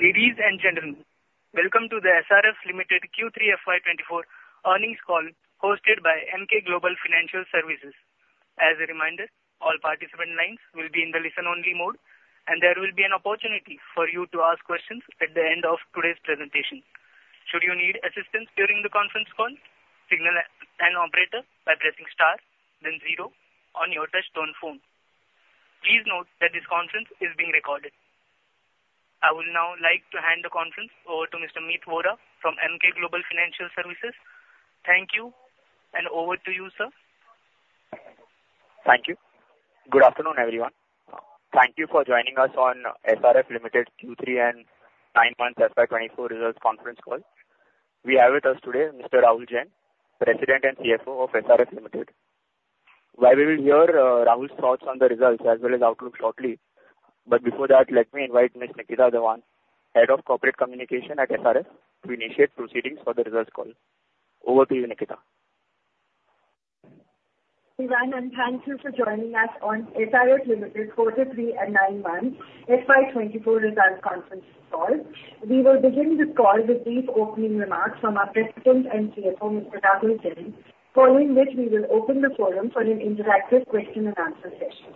Ladies and gentlemen, welcome to the SRF Limited Q3 FY 2024 earnings call, hosted by Emkay Global Financial Services. As a reminder, all participant lines will be in the listen-only mode, and there will be an opportunity for you to ask questions at the end of today's presentation. Should you need assistance during the conference call, signal an operator by pressing star then zero on your touchtone phone. Please note that this conference is being recorded. I would now like to hand the conference over to Mr. Meet Vora from Emkay Global Financial Services. Thank you, and over to you, sir. Thank you. Good afternoon, everyone. Thank you for joining us on SRF Limited Q3 and nine months FY 2024 results conference call. We have with us today Mr. Rahul Jain, President and CFO of SRF Limited. While we will hear, Rahul's thoughts on the results as well as outlook shortly, but before that, let me invite Ms. Nitika Dhawan, Head of Corporate Communications at SRF, to initiate proceedings for the results call. Over to you, Nitika. Hi, and thank you for joining us on SRF Limited Quarter 3 and nine months FY 2024 results conference call. We will begin this call with brief opening remarks from our President and CFO, Mr. Rahul Jain, following which we will open the forum for an interactive question and answer session.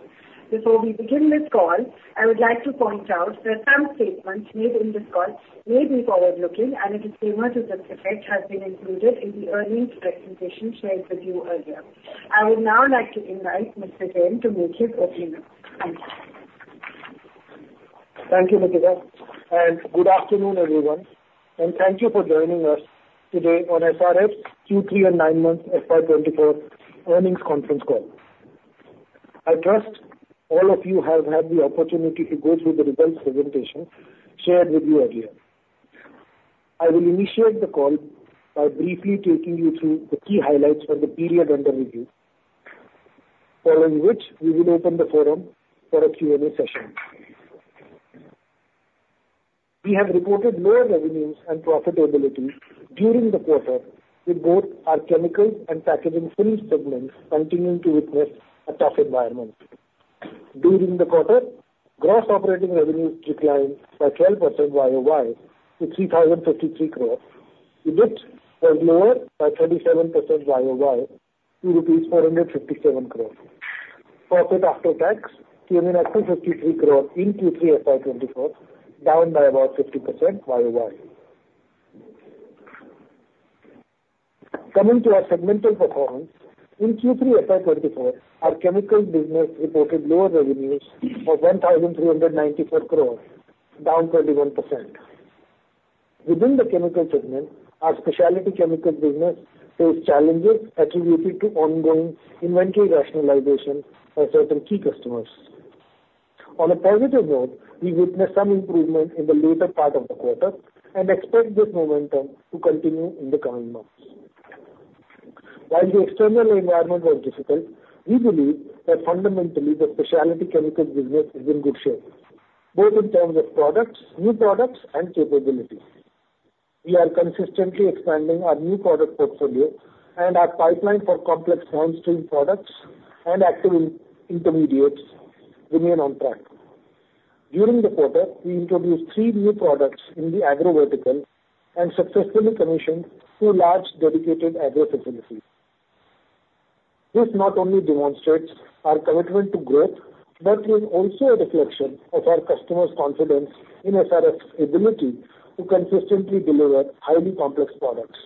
Before we begin this call, I would like to point out that some statements made in this call may be forward-looking, and a disclaimer to this effect has been included in the earnings presentation shared with you earlier. I would now like to invite Mr. Jain to make his opening remarks. Thank you. Thank you, Nitika, and good afternoon, everyone, and thank you for joining us today on SRF's Q3 and nine-month FY 2024 earnings conference call. I trust all of you have had the opportunity to go through the results presentation shared with you earlier. I will initiate the call by briefly taking you through the key highlights for the period under review, following which we will open the forum for a Q&A session. We have reported lower revenues and profitability during the quarter, with both our chemicals and packaging film segments continuing to witness a tough environment. During the quarter, gross operating revenues declined by 12% YOY to 3,033 crore. EBIT was lower by 37% YOY to rupees 457 crore. Profit after tax came in at 253 crore in Q3 FY 2024, down by about 50% YOY. Coming to our segmental performance, in Q3 FY 2024, our chemicals business reported lower revenues of 1,394 crore, down 31%. Within the chemical segment, our specialty chemicals business faced challenges attributed to ongoing inventory rationalization by certain key customers. On a positive note, we witnessed some improvement in the later part of the quarter and expect this momentum to continue in the coming months. While the external environment was difficult, we believe that fundamentally, the specialty chemicals business is in good shape, both in terms of products, new products, and capabilities. We are consistently expanding our new product portfolio, and our pipeline for complex downstream products and active intermediates remain on track. During the quarter, we introduced 3 new products in the agro vertical and successfully commissioned 2 large dedicated agro facilities. This not only demonstrates our commitment to growth but is also a reflection of our customers' confidence in SRF's ability to consistently deliver highly complex products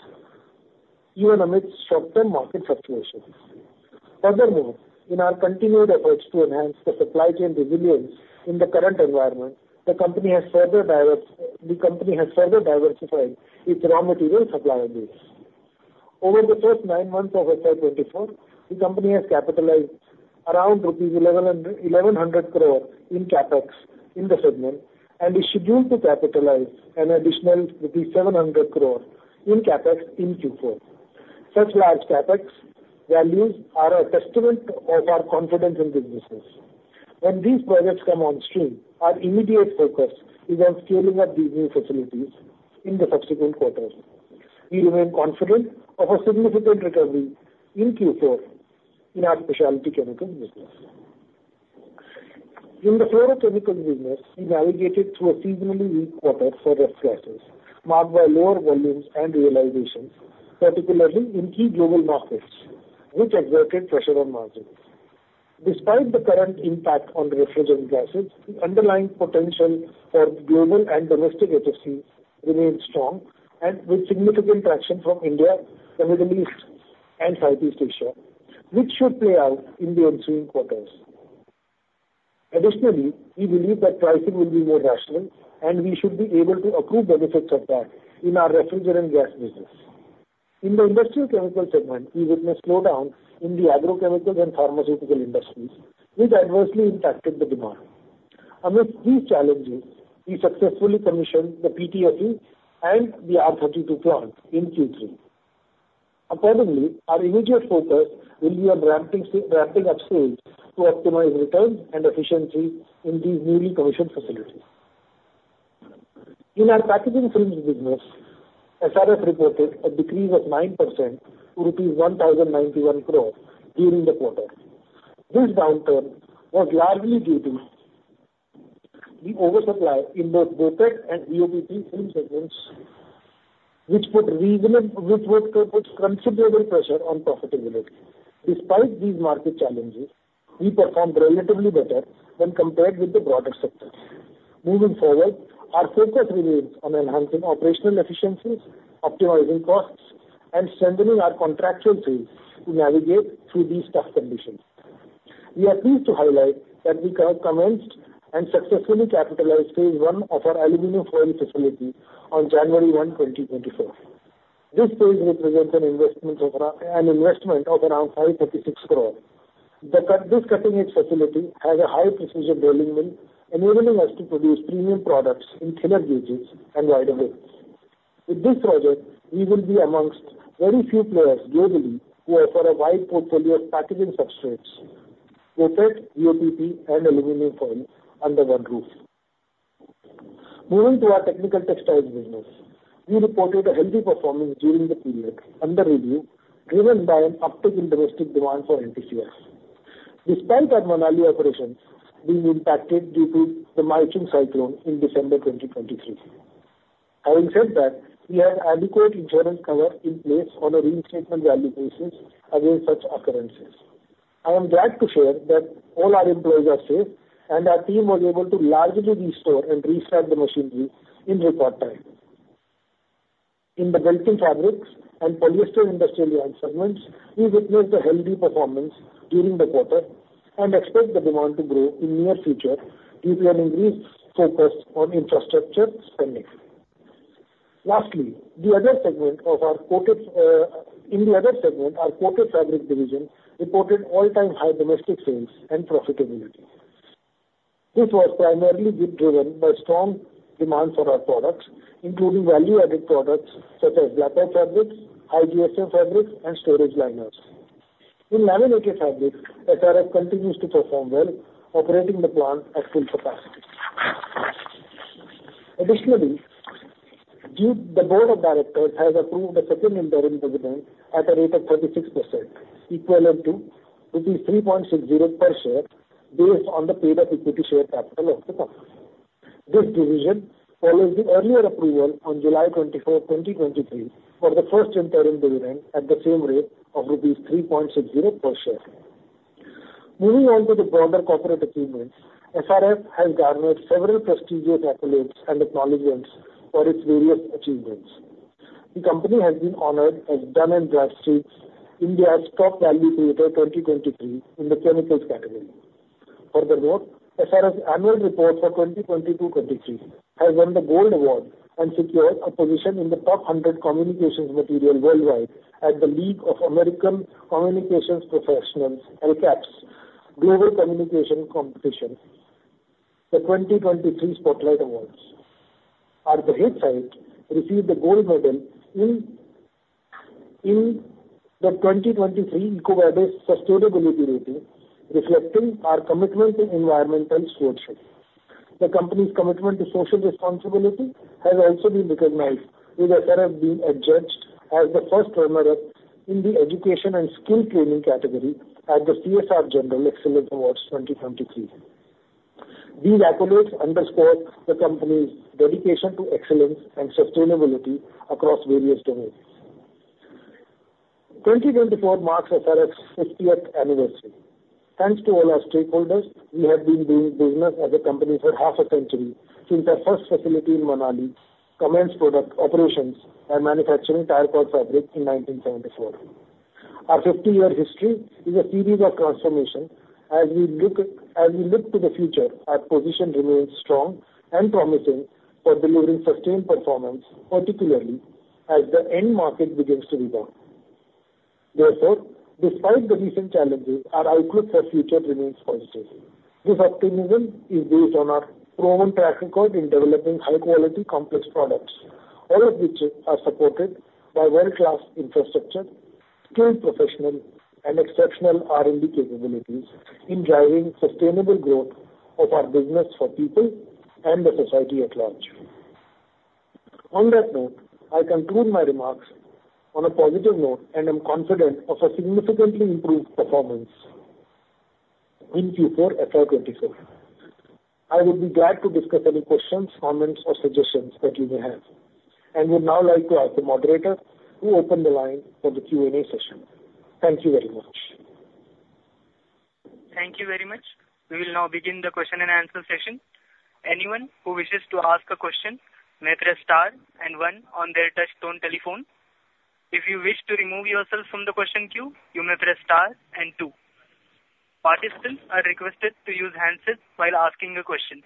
even amidst short-term market fluctuations. Furthermore, in our continued efforts to enhance the supply chain resilience in the current environment, the company has further diversified its raw material supplier base. Over the first nine months of FY 2024, the company has capitalized around rupees 1,100 crore in CapEx in the segment and is scheduled to capitalize an additional rupees 700 crore in CapEx in Q4. Such large CapEx values are a testament of our confidence in business. When these projects come on stream, our immediate focus is on scaling up these new facilities in the subsequent quarters. We remain confident of a significant recovery in Q4 in our specialty chemical business. In the fluorochemical business, we navigated through a seasonally weak quarter for refrigerants, marked by lower volumes and realizations, particularly in key global markets, which exerted pressure on margins. Despite the current impact on refrigerant gases, the underlying potential for global and domestic HFC remains strong and with significant traction from India, the Middle East, and Southeast Asia, which should play out in the ensuing quarters. Additionally, we believe that pricing will be more rational, and we should be able to accrue benefits of that in our refrigerant gas business. In the industrial chemical segment, we witnessed slowdown in the agrochemicals and pharmaceutical industries, which adversely impacted the demand. Amidst these challenges, we successfully commissioned the PTFE and the R-32 plant in Q3. Accordingly, our immediate focus will be on ramping up sales to optimize returns and efficiency in these newly commissioned facilities. In our packaging films business, SRF reported a decrease of 9% to rupees 1,091 crore during the quarter. This downturn was largely due to the oversupply in both coated and BOPP film segments, which put considerable pressure on profitability. Despite these market challenges, we performed relatively better when compared with the broader sectors. Moving forward, our focus remains on enhancing operational efficiencies, optimizing costs, and strengthening our contractual fees to navigate through these tough conditions. We are pleased to highlight that we have commenced and successfully capitalized phase one of our aluminium foil facility on January 1, 2024. This phase represents an investment of around 536 crore. This cutting-edge facility has a high precision rolling mill, enabling us to produce premium products in thinner gauges and wider widths. With this project, we will be amongst very few players globally who offer a wide portfolio of packaging substrates, coated BOPP and aluminium foil under one roof. Moving to our technical textiles business, we reported a healthy performance during the period under review, driven by an uptick in domestic demand for NTCF, despite our Manali operations being impacted due to the Michaung cyclone in December 2023. I will say that we have adequate insurance cover in place on a reinstatement value basis against such occurrences. I am glad to share that all our employees are safe, and our team was able to largely restore and restart the machinery in record time. In the belting fabrics and polyester industrial yarn segments, we witnessed a healthy performance during the quarter and expect the demand to grow in near future due to an increased focus on infrastructure spending. Lastly, the other segment of our coated. In the other segment, our coated fabric division reported all-time high domestic sales and profitability. This was primarily being driven by strong demand for our products, including value-added products such as blackout fabrics, high GSM fabrics, and storage liners. In laminated fabrics, SRF continues to perform well, operating the plant at full capacity. Additionally, the board of directors has approved a second interim dividend at a rate of 36%, equivalent to rupees 3.60 per share, based on the paid-up equity share capital of the company. This dividend follows the earlier approval on July 24, 2023, for the first interim dividend at the same rate of rupees 3.60 per share. Moving on to the broader corporate achievements, SRF has garnered several prestigious accolades and acknowledgments for its various achievements. The company has been honored as Dun & Bradstreet's India's Top Value Creator 2023 in the chemicals category. Furthermore, SRF's annual report for 2022-23 has won the Gold Award and secured a position in the top 100 communications material worldwide at the League of American Communications Professionals, LACP's Global Communication Competition, the 2023 Spotlight Awards. On the ESG side, received the Gold Medal in the 2023 EcoVadis Sustainability Rating, reflecting our commitment to environmental stewardship. The company's commitment to social responsibility has also been recognized, with SRF being adjudged as the first runner-up in the education and skill training category at the CSR Journal Excellence Awards 2023. These accolades underscore the company's dedication to excellence and sustainability across various domains. 2024 marks SRF's 50th anniversary. Thanks to all our stakeholders, we have been doing business as a company for half a century since our first facility in Manali commenced product operations and manufacturing tire cord fabric in 1974. Our 50-year history is a series of transformation. As we look to the future, our position remains strong and promising for delivering sustained performance, particularly as the end market begins to rebound. Therefore, despite the recent challenges, our outlook for future remains positive. This optimism is based on our proven track record in developing high-quality, complex products, all of which are supported by world-class infrastructure, skilled professionals, and exceptional R&D capabilities in driving sustainable growth of our business for people and the society at large. On that note, I conclude my remarks on a positive note and am confident of a significantly improved performance in Q4 FY 2024. I would be glad to discuss any questions, comments or suggestions that you may have, and would now like to ask the moderator to open the line for the Q&A session. Thank you very much. Thank you very much. We will now begin the question-and-answer session. Anyone who wishes to ask a question may press star and one on their touchtone telephone. If you wish to remove yourself from the question queue, you may press star and two. Participants are requested to use handsets while asking a question.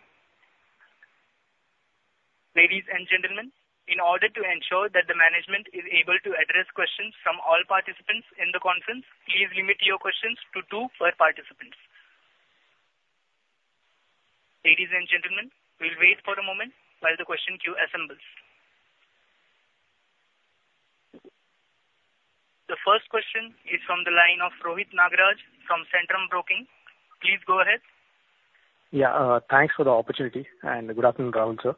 Ladies and gentlemen, in order to ensure that the management is able to address questions from all participants in the conference, please limit your questions to two per participant. Ladies and gentlemen, we'll wait for a moment while the question queue assembles. The first question is from the line of Rohit Nagaraj from Centrum Broking. Please go ahead. Yeah, thanks for the opportunity, and good afternoon, Rahul sir.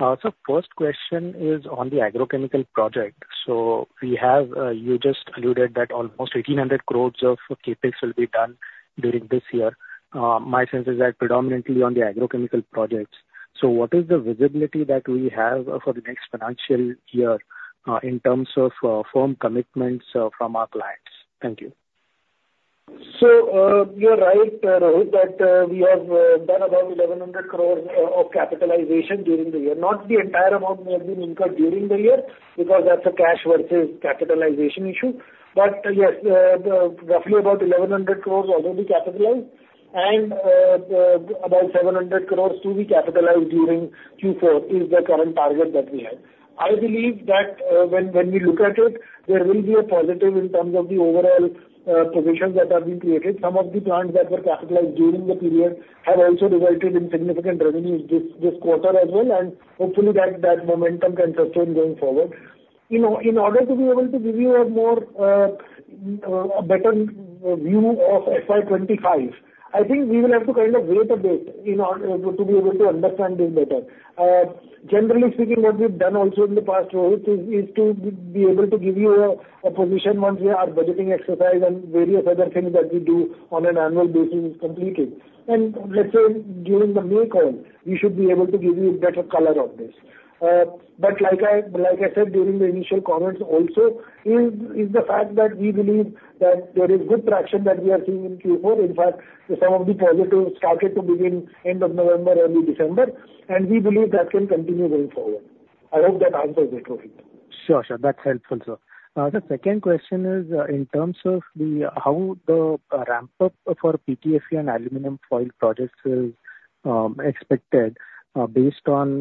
So first question is on the agrochemical project. So we have, you just alluded that almost 1,800 crore of CapEx will be done during this year. My sense is that predominantly on the agrochemical projects. So what is the visibility that we have for the next financial year, in terms of, firm commitments, from our clients? Thank you. So, you're right, Rohit, that we have done about 1,100 crores of capitalization during the year. Not the entire amount may have been incurred during the year, because that's a cash versus capitalization issue. But yes, the roughly about 1,100 crores will already be capitalized, and about 700 crores to be capitalized during Q4 is the current target that we have. I believe that when we look at it, there will be a positive in terms of the overall positions that have been created. Some of the plants that were capitalized during the period have also resulted in significant revenues this quarter as well, and hopefully that momentum can sustain going forward. You know, in order to be able to give you a more, a better view of FY 25, I think we will have to kind of wait a bit in order to be able to understand this better. Generally speaking, what we've done also in the past, Rohit, is to be able to give you a position once our budgeting exercise and various other things that we do on an annual basis is completed. And let's say, during the May call, we should be able to give you a better color on this. But like I said during the initial comments also, is the fact that we believe that there is good traction that we are seeing in Q4. In fact, some of the positives started to begin end of November, early December, and we believe that will continue going forward. I hope that answers it, Rohit. Sure, sure. That's helpful, sir. The second question is, in terms of how the ramp up for PTFE and aluminum foil projects is expected, based on,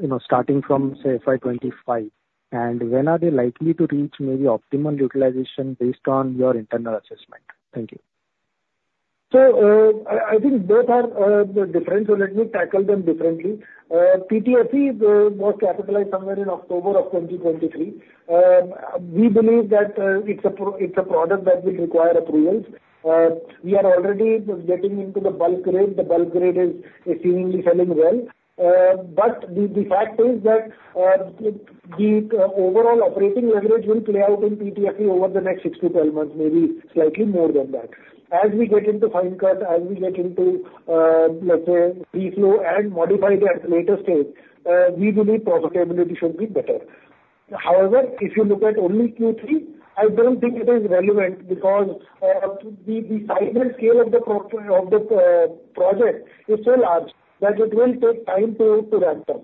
you know, starting from, say, FY 25, and when are they likely to reach maybe optimal utilization based on your internal assessment? Thank you. I think both are different, so let me tackle them differently. PTFE was capitalized somewhere in October 2023. We believe that it's a product that will require approvals. We are already getting into the bulk grade. The bulk grade is seemingly selling well. But the fact is that the overall operating leverage will play out in PTFE over the next 6-12 months, maybe slightly more than that. As we get into fine cut, as we get into, let's say, free flow and modified at a later stage, we believe profitability should be better. However, if you look at only Q3, I don't think it is relevant because the size and scale of the project is so large that it will take time to ramp up.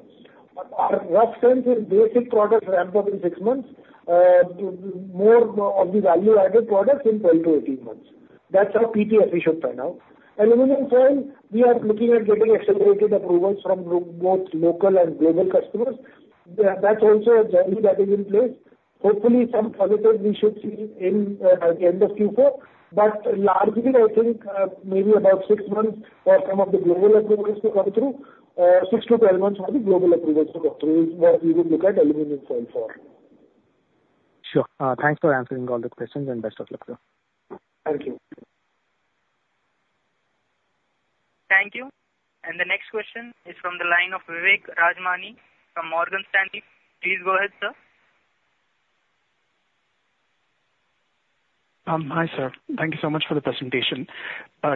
Our rough sense is basic products ramp up in 6 months, more of the value-added products in 12-18 months. That's how PTFE should turn out. Aluminum foil, we are looking at getting accelerated approvals from both local and global customers. That's also a journey that is in place. Hopefully, some positives we should see in end of Q4, but largely I think, maybe about 6 months for some of the global approvals to come through, 6-12 months for the global approvals to come through, is what we would look at aluminum foil for. Sure. Thanks for answering all the questions, and best of luck, sir. Thank you. Thank you. The next question is from the line of Vivek Rajamani from Morgan Stanley. Please go ahead, sir. Hi, sir. Thank you so much for the presentation.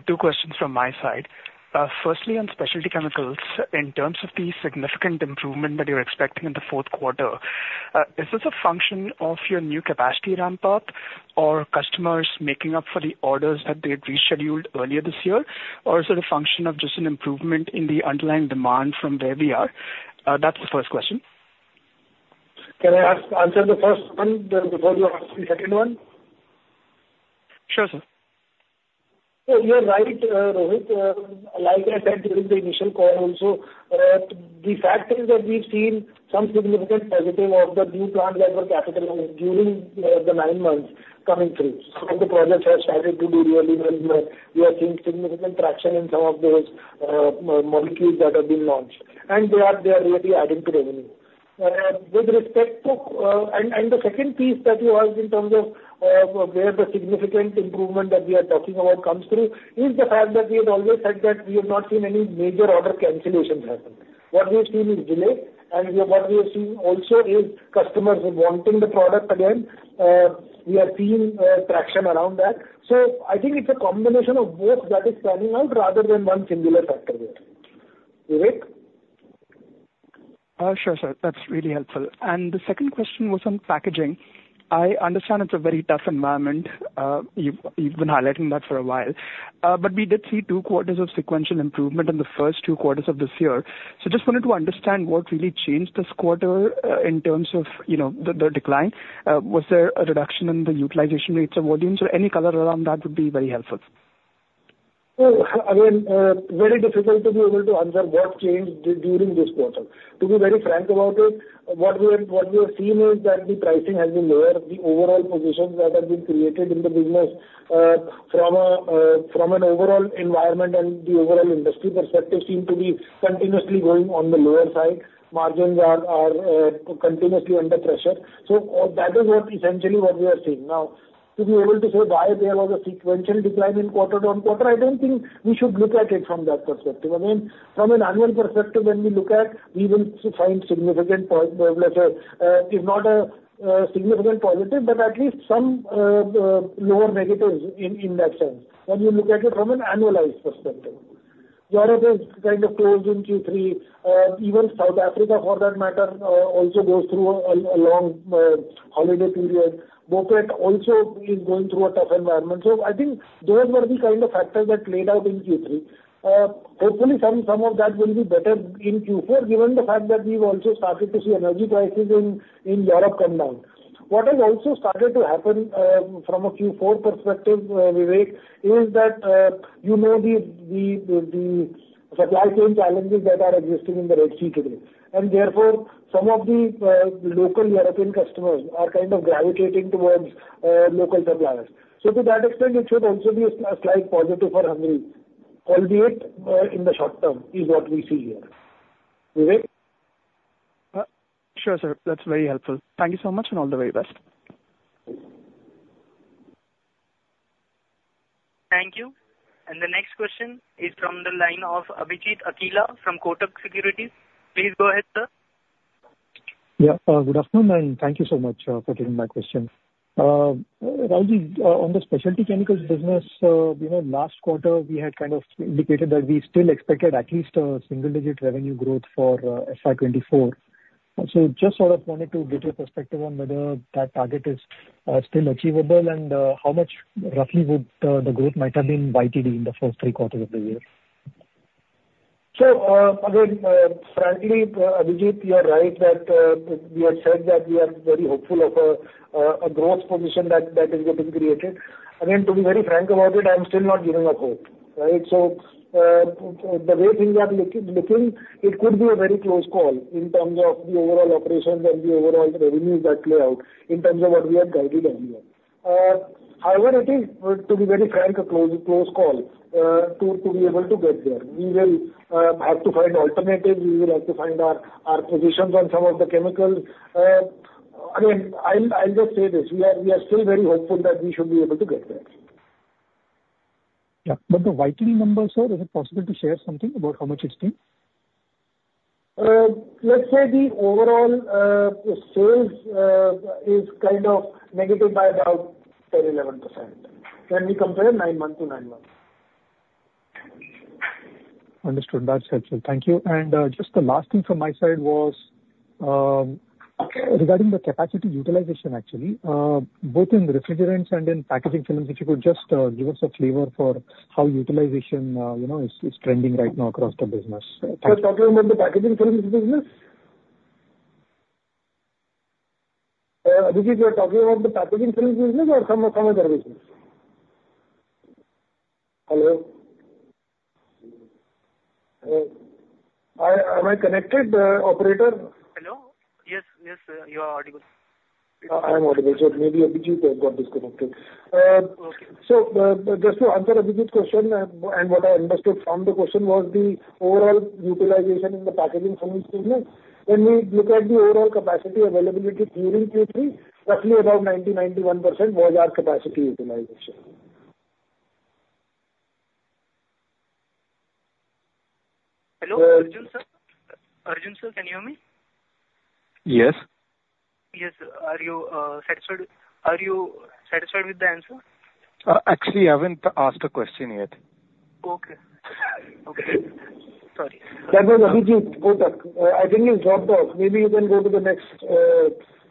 Two questions from my side. Firstly, on specialty chemicals, in terms of the significant improvement that you're expecting in the fourth quarter, is this a function of your new capacity ramp up, or customers making up for the orders that they had rescheduled earlier this year? Or is it a function of just an improvement in the underlying demand from where we are? That's the first question. Can I ask, answer the first one then before you ask the second one? Sure, sir. So you're right, Rohit. Like I said, during the initial call also, the fact is that we've seen some significant positive of the new plant that were capitalized during the nine months coming through. Some of the projects have started to do really well, we are seeing significant traction in some of those, molecules that have been launched, and they are, they are really adding to revenue. With respect to... And, and the second piece that you asked in terms of where the significant improvement that we are talking about comes through, is the fact that we have always said that we have not seen any major order cancellations happen. What we have seen is delay, and what we have seen also is customers wanting the product again. We are seeing traction around that. So I think it's a combination of both that is turning out, rather than one singular factor there. Vivek? Sure, sir, that's really helpful. The second question was on packaging. I understand it's a very tough environment. You've, you've been highlighting that for a while. We did see two quarters of sequential improvement in the first two quarters of this year. Just wanted to understand what really changed this quarter, in terms of, you know, the, the decline. Was there a reduction in the utilization rates of volumes or any color around that would be very helpful? So again, very difficult to be able to answer what changed during this quarter. To be very frank about it, what we are, what we are seeing is that the pricing has been lower. The overall positions that have been created in the business, from an overall environment and the overall industry perspective, seem to be continuously going on the lower side. Margins are continuously under pressure. So, that is what essentially what we are seeing. Now, to be able to say why there was a sequential decline quarter-over-quarter, I don't think we should look at it from that perspective. I mean, from an annual perspective, when we look at, we will find significant, let's say, if not a significant positive, but at least some lower negatives in that sense, when you look at it from an annualized perspective. Europe is kind of closed in Q3. Even South Africa, for that matter, also goes through a long holiday period. BOPET also is going through a tough environment. So I think those were the kind of factors that played out in Q3. Hopefully some of that will be better in Q4, given the fact that we've also started to see energy prices in Europe come down. What has also started to happen, from a Q4 perspective, Vivek, is that, you know, the supply chain challenges that are existing in the Red Sea today. And therefore, some of the local European customers are kind of gravitating towards local suppliers. So to that extent, it should also be a slight positive for us, albeit in the short term, is what we see here. Vivek? Sure, sir. That's very helpful. Thank you so much, and all the very best. Thank you. The next question is from the line of Abhijit Akella from Kotak Securities. Please go ahead, sir. Yeah, good afternoon, and thank you so much for taking my question. Rahul, on the specialty chemicals business, you know, last quarter we had kind of indicated that we still expected at least a single-digit revenue growth for FY 2024. So just sort of wanted to get your perspective on whether that target is still achievable, and how much roughly the growth might have been YTD in the first three quarters of the year? So, again, frankly, Abhijit, you are right that we have said that we are very hopeful of a growth position that is getting created. Again, to be very frank about it, I'm still not giving up hope, right? So, the way things are looking, it could be a very close call in terms of the overall operations and the overall revenues that play out in terms of what we have guided on here. However, I think, to be very frank, a close call to be able to get there. We will have to find alternatives. We will have to find our positions on some of the chemicals. Again, I'll just say this, we are still very hopeful that we should be able to get there. Yeah. But the YTD numbers, sir, is it possible to share something about how much it's been? Let's say the overall sales is kind of negative by about 10-11% when we compare nine months to nine months. Understood. That's helpful. Thank you. Just the last thing from my side was regarding the capacity utilization, actually. Both in refrigerants and in packaging films, if you could just give us a flavor for how utilization, you know, is trending right now across the business. You're talking about the packaging films business? Abhijit, you're talking about the packaging films business or some other business? Hello? Hello. Am I connected, operator? Hello. Yes, yes, you are audible. I am audible, so it may be Abhijit who have got disconnected. Okay. So, just to answer Abhijit's question, and what I understood from the question was the overall utilization in the packaging films business. When we look at the overall capacity availability during Q3, roughly around 90%-91% was our capacity utilization. Hello, Arjun, sir. Arjun, sir, can you hear me? Yes. Yes. Are you satisfied, are you satisfied with the answer? Actually, I haven't asked the question yet. Okay. Okay. Sorry. Then Abhijit, Kotak, I think you dropped off. Maybe you can go to the next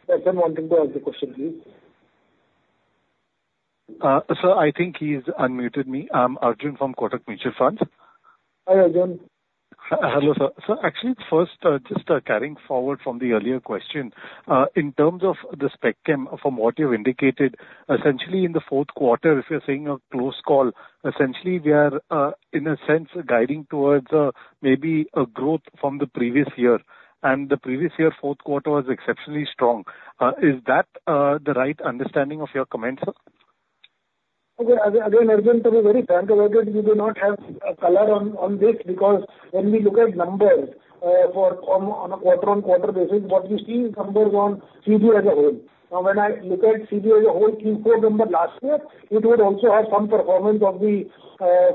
person wanting to ask a question, please. Sir, I think he's unmuted me. I'm Arjun from Kotak Mutual Funds. Hi, Arjun. Hello, sir. So actually, first, just carrying forward from the earlier question. In terms of the spec chem, from what you've indicated, essentially in the fourth quarter, if you're saying a close call, essentially we are, in a sense, guiding towards maybe a growth from the previous year. And the previous year, fourth quarter was exceptionally strong. Is that the right understanding of your comment, sir? Okay. Again, Arjun, to be very frank about it, we do not have a color on this. Because when we look at numbers for on a quarter-on-quarter basis, what we see is numbers on CD as a whole. Now, when I look at CD as a whole, Q4 number last year, it would also have some performance of the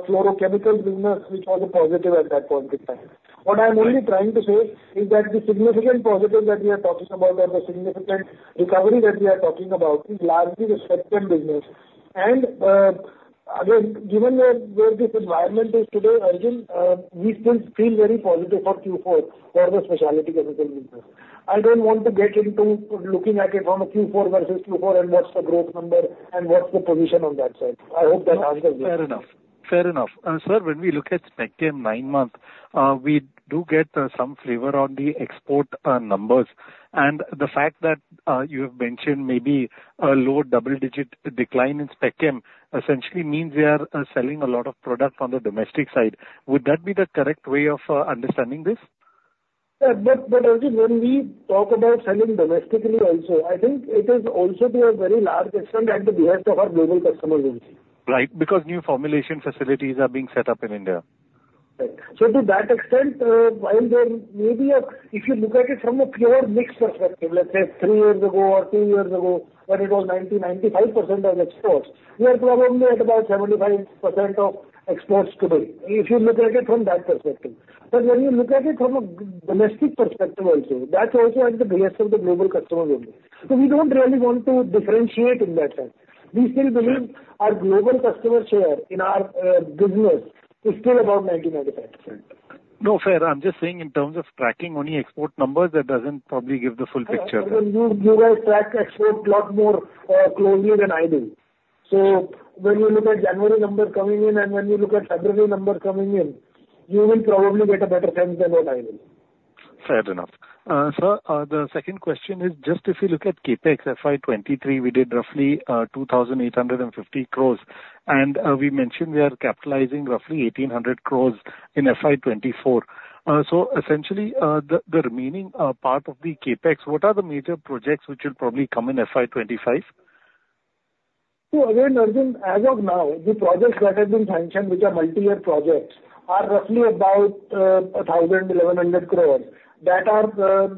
fluorochemical business, which was a positive at that point in time. What I'm only trying to say is that the significant positive that we are talking about or the significant recovery that we are talking about is largely the spec chem business. And again, given where this environment is today, Arjun, we still feel very positive for Q4 for the specialty chemical business. I don't want to get into looking at it on a Q4 versus Q4, and what's the growth number, and what's the position on that side. I hope that answers it. Fair enough. Fair enough. Sir, when we look at spec chem nine months, we do get some flavor on the export numbers. And the fact that you have mentioned maybe a lower double-digit decline in spec chem, essentially means we are selling a lot of product on the domestic side. Would that be the correct way of understanding this? Yeah. But, but, Arjun, when we talk about selling domestically also, I think it is also to a very large extent at the behest of our global customer base. Right, because new formulation facilities are being set up in India. Right. So to that extent, while there may be a... If you look at it from a pure mix perspective, let's say three years ago or two years ago, when it was 90-95% of exports, we are probably at about 75% of exports today, if you look at it from that perspective. But when you look at it from a domestic perspective also, that's also at the behest of the global customer base. So we don't really want to differentiate in that sense.... We still believe our global customer share in our business is still about 90-95%. No, fair. I'm just saying in terms of tracking only export numbers, that doesn't probably give the full picture. I mean, you, you guys track export a lot more closely than I do. So when you look at January numbers coming in and when you look at February numbers coming in, you will probably get a better sense than what I will. Fair enough. Sir, the second question is just if you look at CapEx FY 2023, we did roughly 2,850 crore, and we mentioned we are capitalizing roughly 1,800 crore in FY 2024. So essentially, the remaining part of the CapEx, what are the major projects which will probably come in FY 2025? So again, Arjun, as of now, the projects that have been sanctioned, which are multi-year projects, are roughly about 1,000-1,100 crores. That are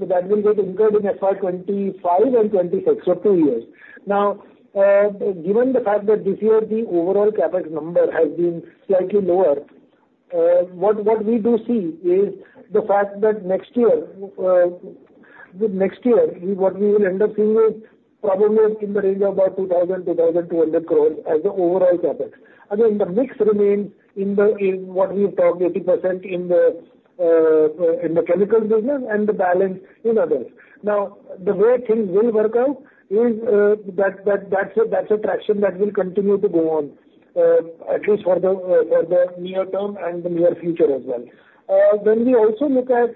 that will get incurred in FY 2025 and 2026, so two years. Now, given the fact that this year the overall CapEx number has been slightly lower, what we do see is the fact that next year, the next year, what we will end up seeing is probably in the range of about 2,000-2,200 crores as the overall CapEx. Again, the mix remains in the, in what we've talked, 80% in the chemicals business and the balance in others. Now, the way things will work out is, that, that, that's a, that's a traction that will continue to go on, at least for the, for the near term and the near future as well. When we also look at,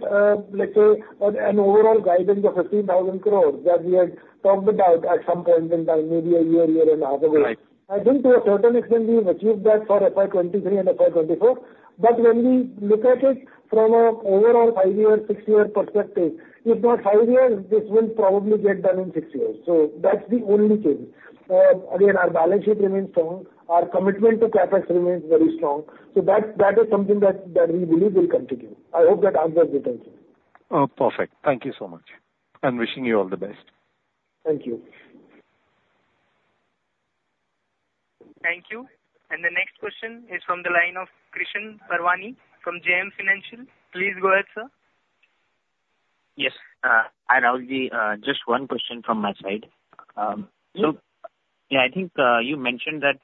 let's say, an, an overall guidance of 15,000 crore that we had talked about at some point in time, maybe a year, year and a half ago- Right. I think to a certain extent, we've achieved that for FY 2023 and FY 2024. But when we look at it from an overall 5-year, 6-year perspective, if not 5 years, this will probably get done in 6 years. So that's the only change. Again, our balance sheet remains strong. Our commitment to CapEx remains very strong. So that, that is something that, that we believe will continue. I hope that answers your question. Perfect. Thank you so much. I'm wishing you all the best. Thank you. Thank you. The next question is from the line of Krishan Parwani from JM Financial. Please go ahead, sir. Yes, hi, Rahul. Just one question from my side. I think, you mentioned that,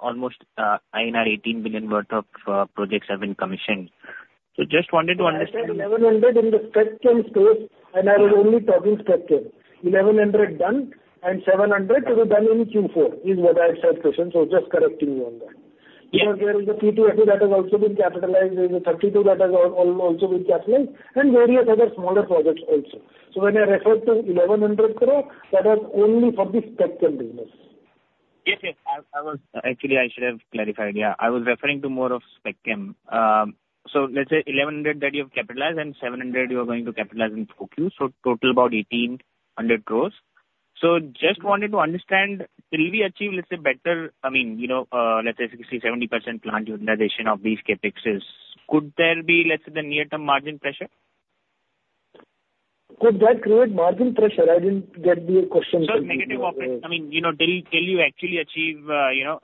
almost, 18 billion worth of projects have been commissioned. So just wanted to understand- I said 1,100 in the Spec Chem space, and I was only talking Spec Chem. 1,100 done and 700 to be done in Q4, is what I said, Krishan, so just correcting you on that. There is a PTFE that has also been capitalized, there's a 32 that has also been capitalized, and various other smaller projects also. So when I referred to 1,100 crore, that was only for the Spec Chem business. Yes, yes. I was... Actually, I should have clarified, yeah. I was referring to more of Spec Chem. So let's say 1,100 that you have capitalized and 700 you are going to capitalize in Q4 so total about 1,800 crore. So just wanted to understand, will we achieve, let's say, better, I mean, you know, let's say 60%-70% plant utilization of these CapExes, could there be, let's say, the near-term margin pressure? Could that create margin pressure? I didn't get the question. So negative profits, I mean, you know, till you actually achieve, you know,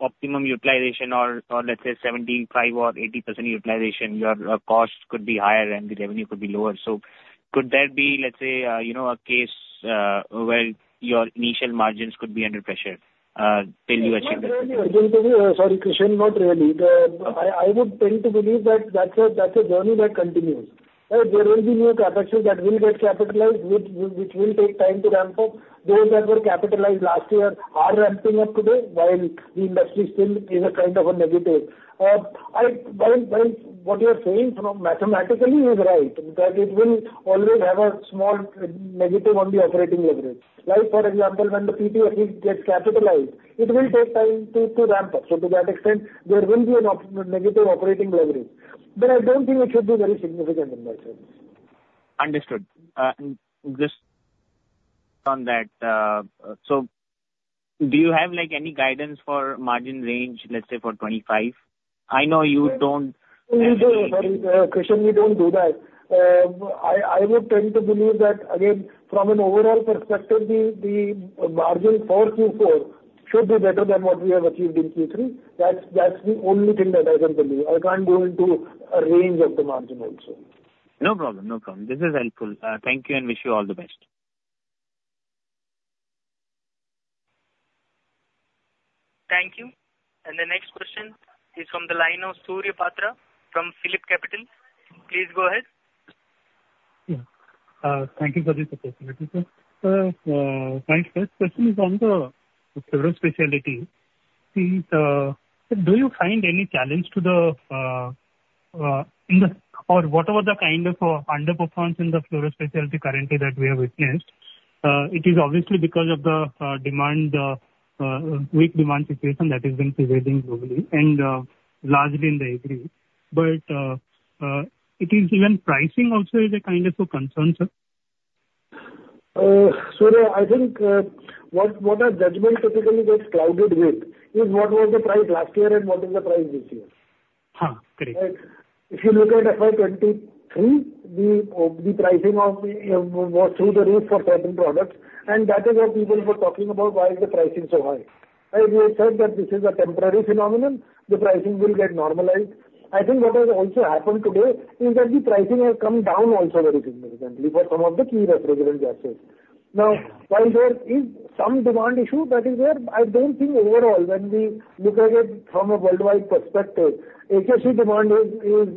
optimum utilization or, let's say 75% or 80% utilization, your costs could be higher and the revenue could be lower. So could there be, let's say, you know, a case, where your initial margins could be under pressure, till you achieve that? Not really, Arjun, because, sorry, Krishan, not really. I would tend to believe that that's a journey that continues. There will be new CapExes that will get capitalized, which will take time to ramp up. Those that were capitalized last year are ramping up today, while the industry still is a kind of a negative. While what you are saying from mathematically is right, that it will always have a small negative on the operating leverage. Like, for example, when the PTFE gets capitalized, it will take time to ramp up. So to that extent, there will be a negative operating leverage, but I don't think it should be very significant in my sense. Understood. Just on that, so do you have, like, any guidance for margin range, let's say, for 25? I know you don't- We do. Sorry, Krishan, we don't do that. I would tend to believe that again, from an overall perspective, the margin for Q4 should be better than what we have achieved in Q3. That's the only thing that I can believe. I can't go into a range of the margin also. No problem, no problem. This is helpful. Thank you and wish you all the best. Thank you. The next question is from the line of Surya Patra from PhilipCapital. Please go ahead. Yeah. Thank you for this opportunity, sir. My first question is on the fluoro specialty. Do you find any challenge to the in the... Or what were the kind of underperformance in the fluoro specialty currently that we have witnessed? It is obviously because of the demand weak demand situation that has been prevailing globally and largely in the agri. But it is even pricing also is a kind of a concern, sir? Surya, I think, what our judgment typically gets clouded with is what was the price last year and what is the price this year? Uh, agreed. If you look at FY23, the pricing was through the roof for certain products, and that is what people were talking about, why is the pricing so high? We have said that this is a temporary phenomenon, the pricing will get normalized. I think what has also happened today is that the pricing has come down also very significantly for some of the key refrigerant gases. Now, while there is some demand issue that is there, I don't think overall, when we look at it from a worldwide perspective, HFC demand is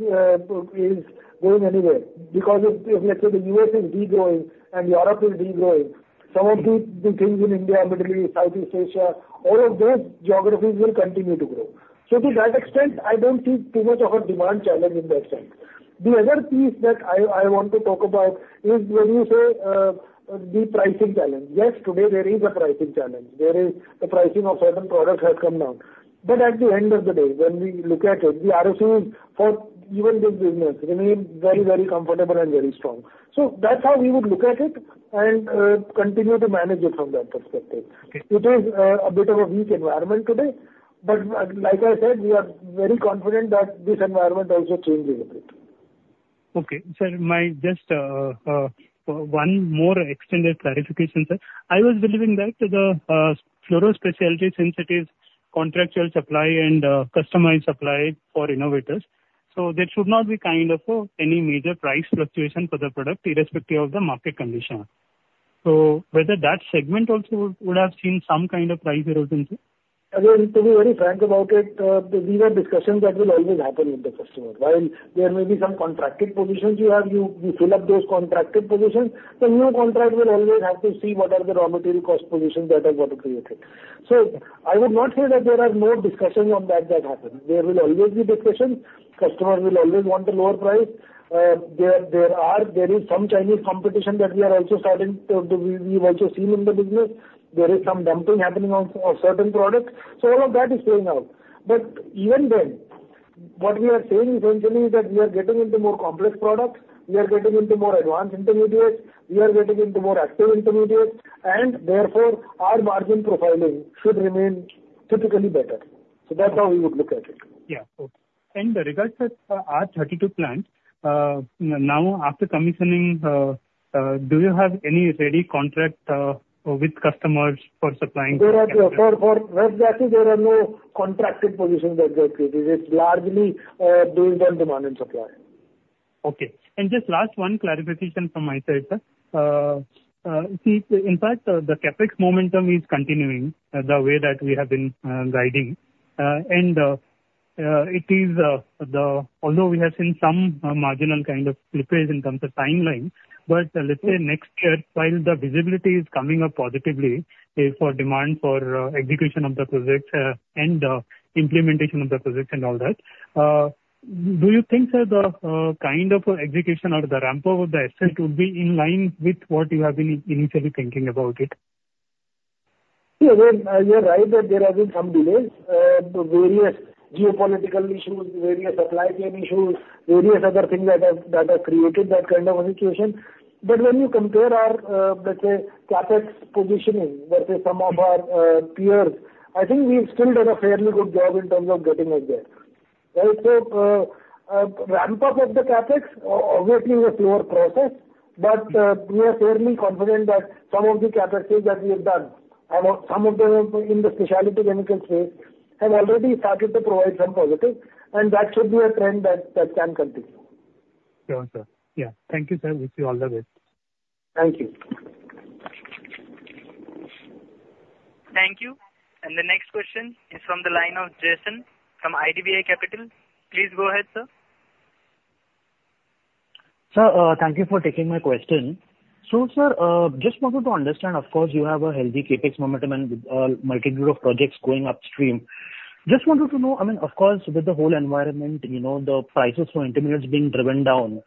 going anywhere because if, let's say, the U.S. is degrowing and Europe is degrowing, some of the things in India, particularly Southeast Asia, all of those geographies will continue to grow. So to that extent, I don't see too much of a demand challenge in that sense. The other piece that I want to talk about is when you say the pricing challenge. Yes, today there is a pricing challenge. The pricing of certain products has come down, but at the end of the day, when we look at it, the ROC is for even this business remain very, very comfortable and very strong. So that's how we would look at it and continue to manage it from that perspective. It is a bit of a weak environment today, but like I said, we are very confident that this environment also changes a bit. Okay, sir, my just, one more extended clarification, sir. I was believing that the, fluoro specialties, since it is contractual supply and, customized supply for innovators, so there should not be kind of, any major price fluctuation for the product, irrespective of the market condition. So whether that segment also would, would have seen some kind of price erosion, sir? Again, to be very frank about it, these are discussions that will always happen with the customer. While there may be some contracted positions you have, you fill up those contracted positions, the new contract will always have to see what are the raw material cost positions that have got to create it. So I would not say that there are no discussions on that that happen. There will always be discussions. Customers will always want a lower price. There is some Chinese competition that we are also starting, we've also seen in the business. There is some dumping happening on certain products, so all of that is playing out. But even then, what we are saying essentially is that we are getting into more complex products, we are getting into more advanced intermediates, we are getting into more active intermediates, and therefore, our margin profiling should remain typically better. So that's how we would look at it. Yeah. Okay. And with regards to our 32 plant, now, after commissioning, do you have any ready contract with customers for supplying? There are no... For, for refrigerant gases, there are no contracted positions that are created. It's largely based on demand and supply. Okay. And just last one clarification from my side, sir. See, in fact, the CapEx momentum is continuing the way that we have been guiding. And although we have seen some marginal kind of slippage in terms of timelines, but let's say next year, while the visibility is coming up positively for demand for execution of the projects and implementation of the projects and all that, do you think that the kind of execution or the ramp up of the assets would be in line with what you have been initially thinking about it? Yeah, well, you're right that there have been some delays, various geopolitical issues, various supply chain issues, various other things that have, that have created that kind of a situation. But when you compare our, let's say, CapEx positioning versus some of our, peers, I think we've still done a fairly good job in terms of getting it there. Right. So, ramp up of the CapEx, obviously, a slower process, but, we are fairly confident that some of the CapExes that we have done, some of them in the specialty chemical space, have already started to provide some positive, and that should be a trend that, that can continue. Sure, sir. Yeah. Thank you, sir. Wish you all the best. Thank you. Thank you. The next question is from the line of Jason from IDBI Capital. Please go ahead, sir. Sir, thank you for taking my question. So, sir, just wanted to understand, of course, you have a healthy CapEx momentum and a multitude of projects going upstream. Just wanted to know, I mean, of course, with the whole environment, you know, the prices for intermediates being driven down,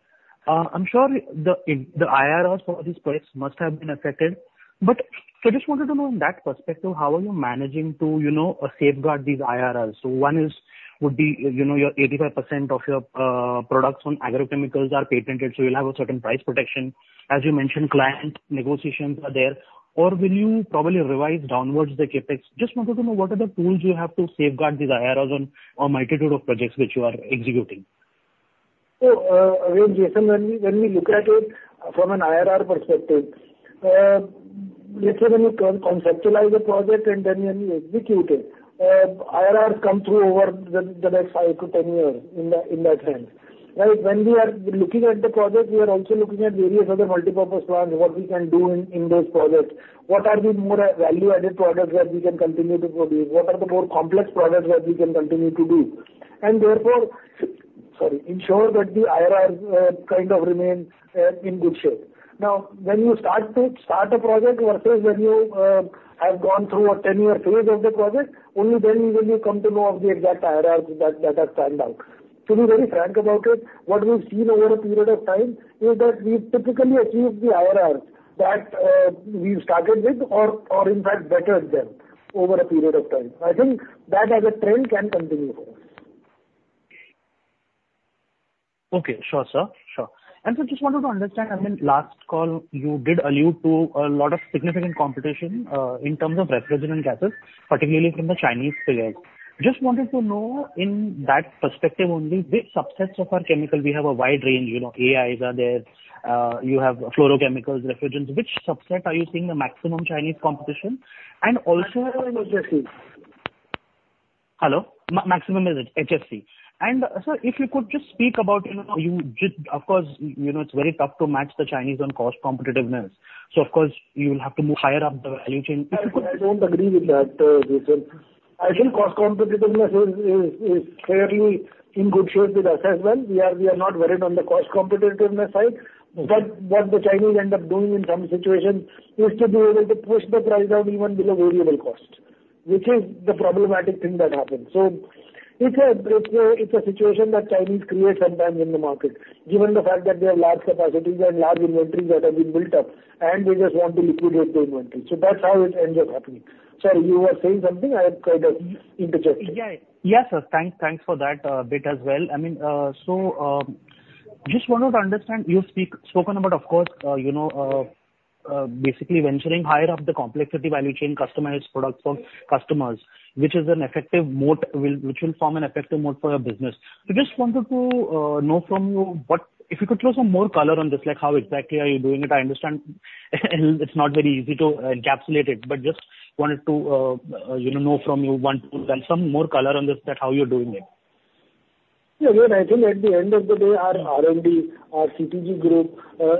I'm sure the IRRs for these projects must have been affected. But so just wanted to know in that perspective, how are you managing to, you know, safeguard these IRRs? So one is, would be, you know, your 85% of your products on agrochemicals are patented, so you'll have a certain price protection. As you mentioned, client negotiations are there, or will you probably revise downwards the CapEx? Just wanted to know, what are the tools you have to safeguard these IRRs on multitude of projects which you are executing. So, again, Jason, when we, when we look at it from an IRR perspective, let's say when you conceptualize a project and then when you execute it, IRRs come through over the next five to 10 years in that sense. Right, when we are looking at the project, we are also looking at various other multipurpose plans, what we can do in those projects. What are the more value-added products that we can continue to produce? What are the more complex products that we can continue to do? And therefore, sorry, ensure that the IRRs kind of remain in good shape. Now, when you start a project versus when you have gone through a 10-year phase of the project, only then will you come to know of the exact IRRs that are stand out. To be very frank about it, what we've seen over a period of time is that we've typically achieved the IRRs that we've started with or, in fact, bettered them over a period of time. I think that as a trend can continue. Okay. Sure, sir. Sure. And so just wanted to understand, I mean, last call, you did allude to a lot of significant competition in terms of refrigerant gases, particularly from the Chinese players. Just wanted to know in that perspective only, which subsets of our chemical, we have a wide range, you know, AIs are there, you have fluorochemicals, refrigerants. Which subset are you seeing the maximum Chinese competition? And also-... Hello. Maximum is HFC. And sir, if you could just speak about, you know, you just, of course, you know, it's very tough to match the Chinese on cost competitiveness. So of course, you will have to move higher up the value chain. I don't agree with that, Jason. I think cost competitiveness is fairly in good shape with us as well. We are not worried on the cost competitiveness side. But what the Chinese end up doing in some situations is to be able to push the price down even below variable cost, which is the problematic thing that happens. So it's a situation that Chinese create sometimes in the market, given the fact that they have large capacities and large inventories that have been built up, and they just want to liquidate the inventory. So that's how it ends up happening. Sir, you were saying something. I have kind of interjected. Yeah. Yeah, sir. Thanks, thanks for that, bit as well. I mean, so, just wanted to understand, you've spoken about, of course, you know, basically venturing higher up the complexity value chain, customized products for customers, which is an effective moat, which will form an effective moat for your business. I just wanted to, know from you, what... If you could throw some more color on this, like how exactly are you doing it? I understand it's not very easy to encapsulate it, but just wanted to, you know, know from you, want some more color on this, that how you're doing it. Yeah, well, I think at the end of the day, our R&D, our CTG group,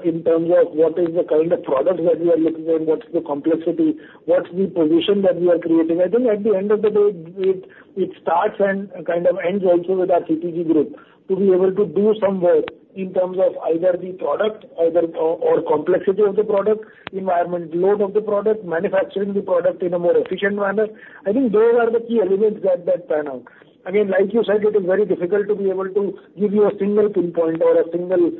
in terms of what is the kind of products that we are looking at, what's the complexity, what's the position that we are creating, I think at the end of the day, it starts and kind of ends also with our CTG group, to be able to do some work in terms of either the product, either or, or complexity of the product, environment load of the product, manufacturing the product in a more efficient manner. I think those are the key elements that pan out. Again, like you said, it is very difficult to be able to give you a single pinpoint or a single,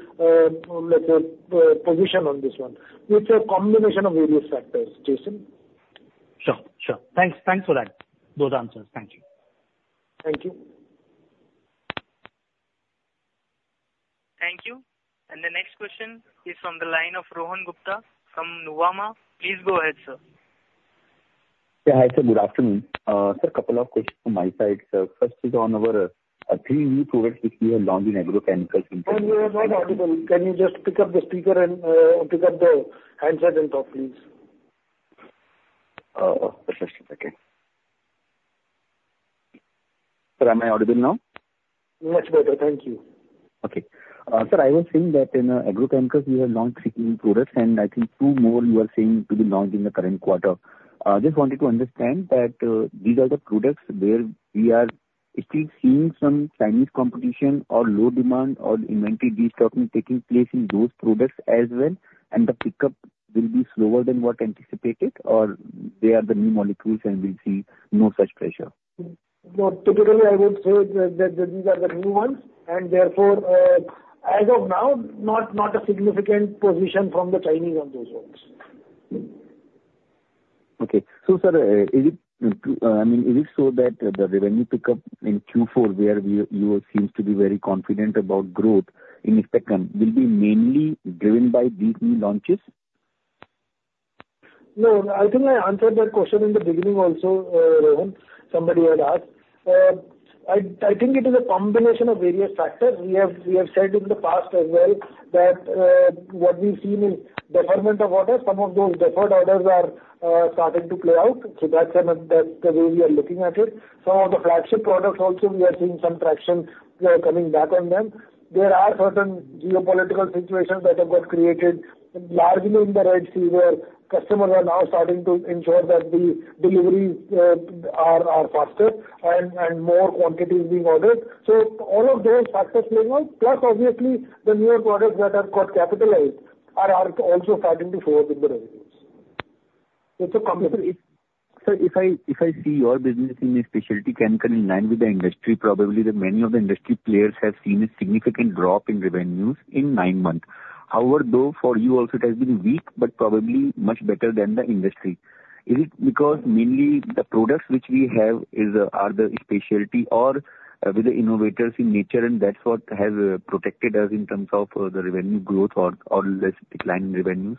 let's say, position on this one. It's a combination of various factors, Jason. Sure, sure. Thanks. Thanks for that, those answers. Thank you. Thank you. Thank you. And the next question is from the line of Rohan Gupta from Nuvama. Please go ahead, sir. Yeah, hi, sir, good afternoon. Sir, couple of questions from my side. So first is on our three new products which we have launched in agrochemicals- I'm very not audible. Can you just pick up the speaker and pick up the handset and talk, please? Oh, just a second. Sir, am I audible now? Much better. Thank you. Okay. Sir, I was saying that in agrochemicals, we have launched three new products, and I think two more you are saying to be launched in the current quarter. Just wanted to understand that these are the products where we are still seeing some Chinese competition or low demand or inventory destocking taking place in those products as well, and the pickup will be slower than what anticipated, or they are the new molecules and we see no such pressure? Well, typically, I would say that these are the new ones, and therefore, as of now, not a significant position from the Chinese on those ones. Okay. So, sir, is it, I mean, is it so that the revenue pickup in Q4, where we, you seem to be very confident about growth in second, will be mainly driven by these new launches? No, I think I answered that question in the beginning also, Rohan. Somebody had asked. I think it is a combination of various factors. We have, we have said in the past as well that, what we've seen is deferment of orders. Some of those deferred orders are starting to play out, so that's the way we are looking at it. Some of the flagship products also we are seeing some traction coming back on them. There are certain geopolitical situations that have got created, largely in the Red Sea, where customers are now starting to ensure that the deliveries are faster and more quantity is being ordered. So all of those factors playing out, plus obviously, the newer products that have got capitalized are also starting to show up in the revenues. It's a combination. Sir, if I see your business in a specialty chemical in line with the industry, probably that many of the industry players have seen a significant drop in revenues in nine months. However, though, for you also it has been weak, but probably much better than the industry. Is it because mainly the products which we have is, are the specialty or with the innovators in nature, and that's what has protected us in terms of the revenue growth or this decline in revenues?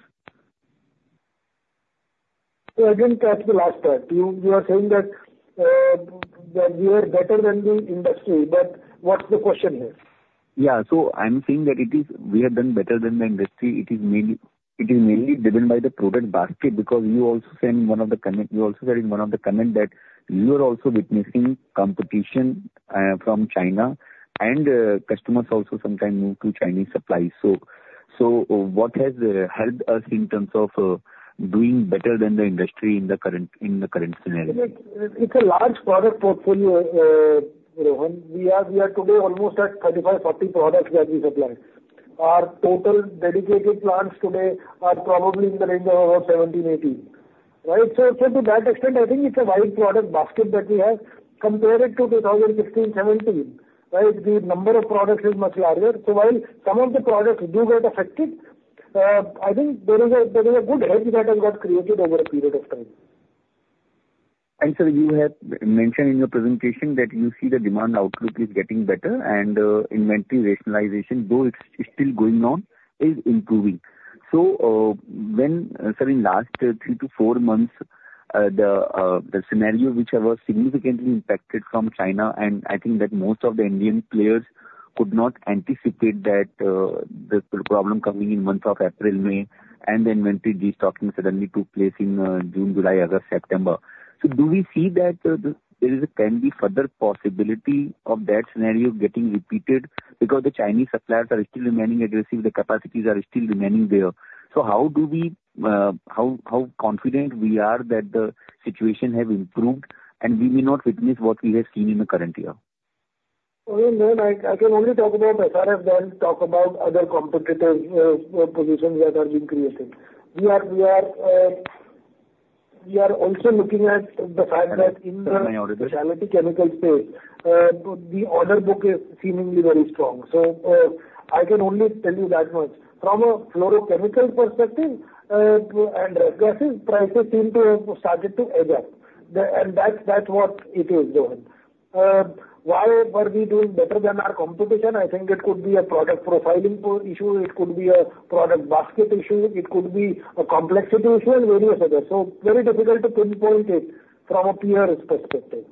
So I didn't catch the last part. You are saying that we are better than the industry, but what's the question here? Yeah. So I'm saying that it is... We have done better than the industry. It is mainly, it is mainly driven by the product basket, because you also said in one of the comment—you also said in one of the comment that you are also witnessing competition from China, and customers also sometimes move to Chinese suppliers. So, so what has helped us in terms of doing better than the industry in the current, in the current scenario? It's a large product portfolio, Rohan. We are today almost at 35-40 products that we supply. Our total dedicated plants today are probably in the range of about 17-18. Right. So to that extent, I think it's a wide product basket that we have. Compare it to 2016-17, right, the number of products is much larger. So while some of the products do get affected, I think there is a good hedge that has got created over a period of time. Sir, you have mentioned in your presentation that you see the demand outlook is getting better, and inventory rationalization, though it's still going on, is improving. So, sir, in last 3-4 months, the scenario which was significantly impacted from China, and I think that most of the Indian players could not anticipate that, the problem coming in months of April, May, and the inventory destocking suddenly took place in June, July, August, September. So do we see that there can be further possibility of that scenario getting repeated because the Chinese suppliers are still remaining aggressive, the capacities are still remaining there? So how confident we are that the situation have improved and we may not witness what we have seen in the current year? Oh, no, I can only talk about SRF rather than talk about other competitive positions that are being created. We are also looking at the fact that in the Specialty Chemicals space, the order book is seemingly very strong. So, I can only tell you that much. From a fluorochemical perspective, and gases, prices seem to have started to edge up. And that's what it is, Rohan. Why were we doing better than our competition? I think it could be a product profiling portfolio issue, it could be a product basket issue, it could be a complexity issue and various other. So very difficult to pinpoint it from a peers perspective.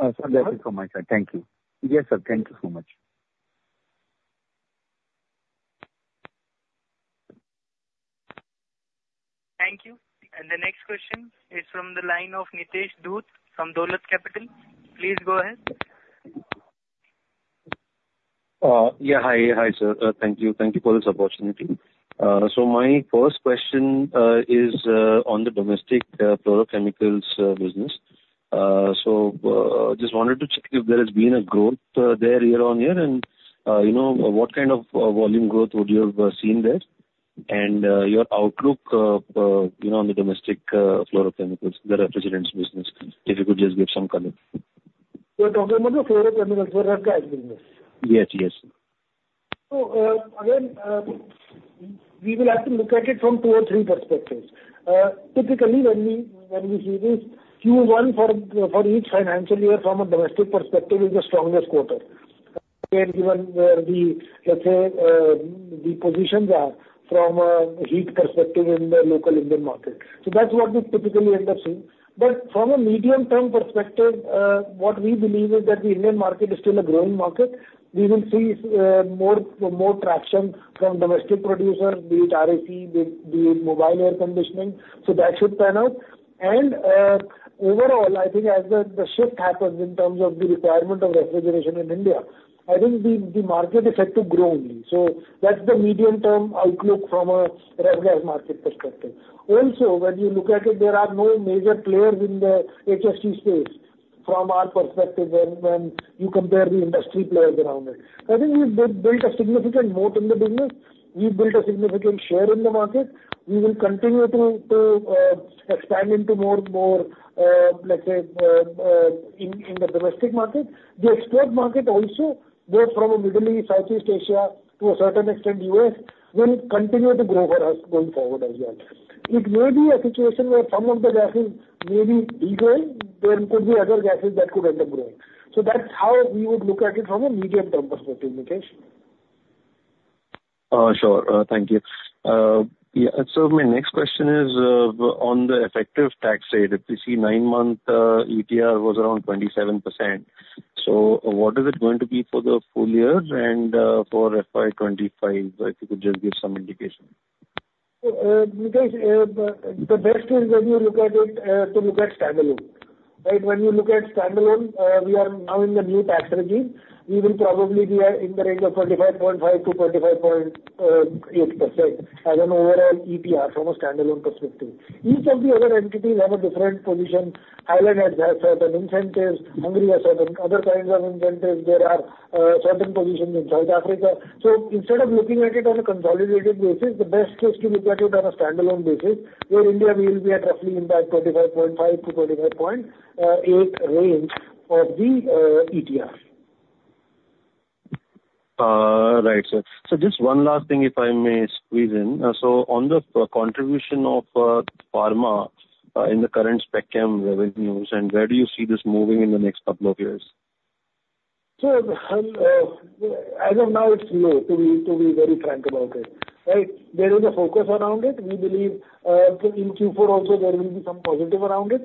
Sir, thank you so much, sir. Thank you. Yes, sir, thank you so much. Thank you. The next question is from the line of Nitesh Dhoot from Dolat Capital. Please go ahead. Yeah, hi. Hi, sir, thank you. Thank you for this opportunity. So my first question is on the domestic fluorochemicals business. So just wanted to check if there has been a growth there year-over-year, and you know, what kind of volume growth would you have seen there? And your outlook, you know, on the domestic fluorochemicals, the refrigerants business, if you could just give some comment. You're talking about the fluorochemicals, the ref gas business? Yes. Yes. So, again, we will have to look at it from two or three perspectives. Typically, when we see this, Q1 for each financial year from a domestic perspective is the strongest quarter. Again, given the, let's say, the positions are from a heat perspective in the local Indian market. So that's what we typically end up seeing. But from a medium-term perspective, what we believe is that the Indian market is still a growing market. We will see more traction from domestic producers, be it RAC, be it mobile air conditioning. So that should pan out. And overall, I think as the shift happens in terms of the requirement of refrigeration in India, I think the market is set to grow only. So that's the medium-term outlook from a ref gas market perspective. Also, when you look at it, there are no major players in the HFC space from our perspective when you compare the industry players around it. I think we've built a significant moat in the business. We've built a significant share in the market. We will continue to expand into more, let's say, in the domestic market. The export market also, both from a Middle East, Southeast Asia, to a certain extent, U.S., will continue to grow for us going forward as well. It may be a situation where some of the gases may be degrowing, there could be other gases that could end up growing. So that's how we would look at it from a medium-term perspective, Nitesh. Sure. Thank you. Yeah, so my next question is on the effective tax rate. If you see nine-month ETR was around 27%. So what is it going to be for the full year and for FY 2025? If you could just give some indication. Nitesh, the best is when you look at it to look at standalone, right? When you look at standalone, we are now in the new tax regime. We will probably be at in the range of 45.5%-45.8% as an overall ETR from a standalone perspective. Each of the other entities have a different position. Ireland has certain incentives, Hungary has certain other kinds of incentives. There are certain positions in South Africa. So instead of looking at it on a consolidated basis, the best is to look at it on a standalone basis, where India will be at roughly in that 45.5%-45.8% range of the ETR. Right, sir. So just one last thing, if I may squeeze in. So on the contribution of pharma in the current Spec Chem revenues, and where do you see this moving in the next couple of years? So, as of now, it's low, to be very frank about it, right? There is a focus around it. We believe in Q4 also there will be some positive around it.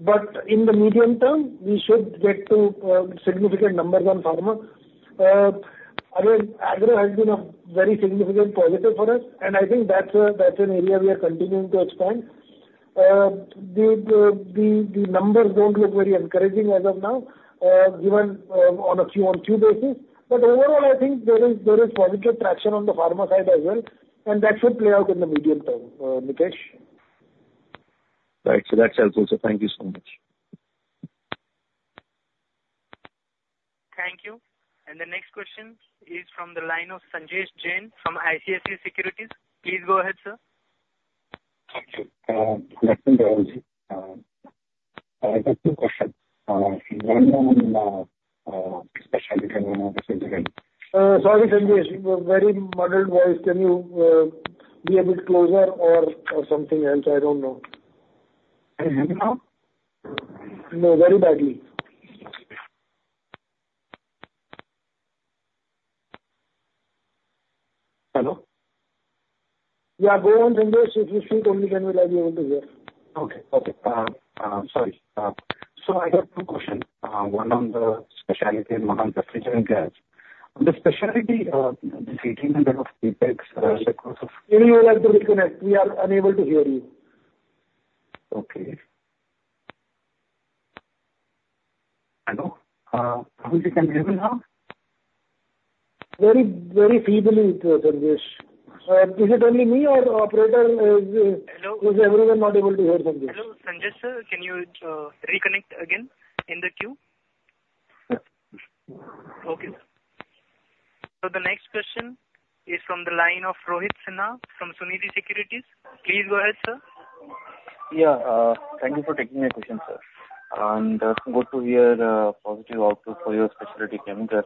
But in the medium term, we should get to significant numbers on pharma. Again, agro has been a very significant positive for us, and I think that's an area we are continuing to expand. The numbers don't look very encouraging as of now, given on a Q on Q basis. But overall, I think there is positive traction on the pharma side as well, and that should play out in the medium term, Nitesh. Right. So that's helpful, sir. Thank you so much. Thank you. The next question is from the line of Sanjesh Jain from ICICI Securities. Please go ahead, sir. Thank you. Good afternoon. I have two questions. One on specialty in refrigerant. Sorry, Sanjay, you very muddled voice. Can you be a bit closer or, or something else? I don't know. Can you hear me now? No, very badly. Hello? Yeah, go on, Sanjay. If you speak only then we'll be able to hear. Okay. Okay, sorry. So I got two questions. One on the specialty in refrigerant gas. ...On the specialty, this INR 1,800 of CapEx, across of- Can you connect? We are unable to hear you. Okay. Hello? You can hear me now? Very, very feebly, Sanjesh. Is it only me or the operator, is- Hello? Is everyone not able to hear Sanjesh? Hello, Sanjesh, sir, can you reconnect again in the queue? Okay, sir. So the next question is from the line of Rohit Sinha from Sunidhi Securities. Please go ahead, sir. Yeah, thank you for taking my question, sir. Good to hear positive output for your specialty chemical.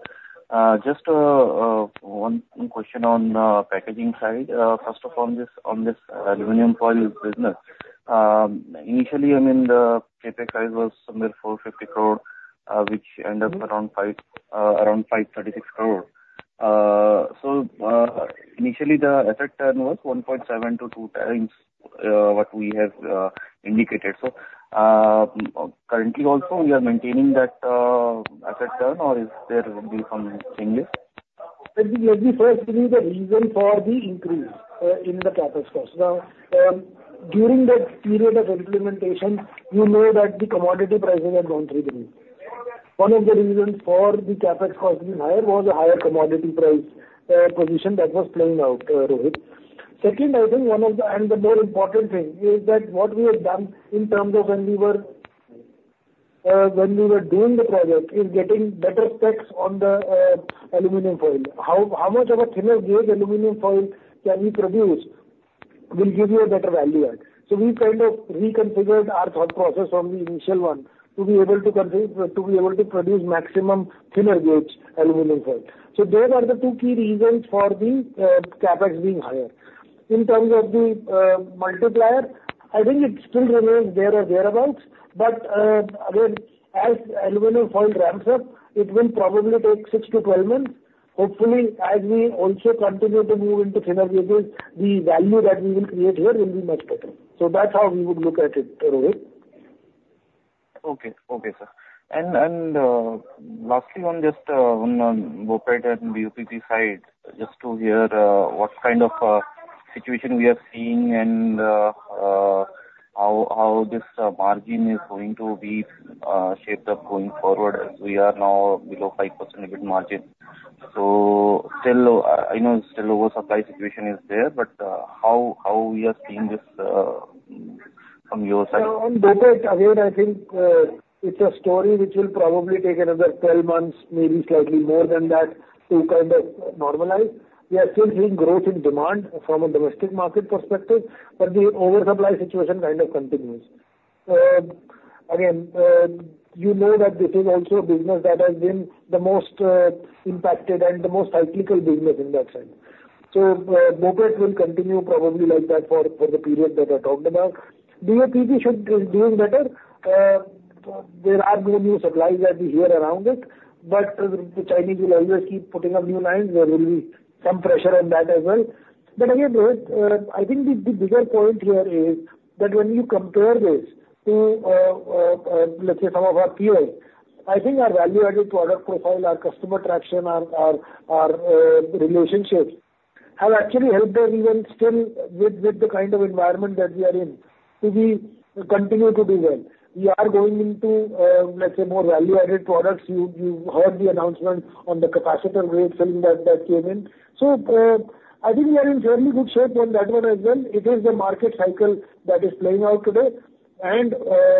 Just one question on the packaging side. First of all, on this aluminum foil business, initially, I mean, the CapEx size was somewhere 450 crore, which end up around 536 crore. So, initially the asset turn was 1.7-2 times what we have indicated. Currently also we are maintaining that asset turn, or is there will be some changes? Let me first give you the reason for the increase in the CapEx cost. Now, during that period of implementation, you know that the commodity prices have gone through the roof. One of the reasons for the CapEx cost being higher was the higher commodity price position that was playing out, Rohit. Second, I think one of the... And the more important thing is that what we have done in terms of when we were doing the project is getting better specs on the aluminum foil. How much of a thinner gauge aluminum foil can we produce will give you a better value add. So we kind of reconfigured our thought process from the initial one to be able to produce maximum thinner gauge aluminum foil. Those are the two key reasons for the CapEx being higher. In terms of the multiplier, I think it still remains there or thereabouts, but, again, as aluminum foil ramps up, it will probably take 6-12 months. Hopefully, as we also continue to move into thinner gauges, the value that we will create here will be much better. That's how we would look at it, Rohit. Okay. Okay, sir. And lastly, on just on BOPET and BOPP side, just to hear what kind of situation we are seeing and how this margin is going to be shaped up going forward, as we are now below 5% EBIT margin. So still, I know still oversupply situation is there, but how we are seeing this from your side? On BOPET, again, I think it's a story which will probably take another 12 months, maybe slightly more than that, to kind of normalize. We are still seeing growth in demand from a domestic market perspective, but the oversupply situation kind of continues. Again, you know that this is also a business that has been the most impacted and the most cyclical business in that sense. So, BOPET will continue probably like that for the period that I talked about. BOPP should be doing better. There are no new supplies that we hear around it, but the Chinese will always keep putting up new lines. There will be some pressure on that as well. But again, Rohit, I think the bigger point here is that when you compare this to, let's say, some of our peers, I think our value-added product profile, our customer traction, our relationships, have actually helped us even still with the kind of environment that we are in, so we continue to do well. We are going into, let's say, more value-added products. You heard the announcement on the capacitor grade film that came in. So, I think we are in fairly good shape on that one as well. It is the market cycle that is playing out today, and